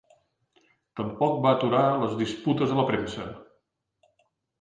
Tampoc va aturar les disputes a la premsa.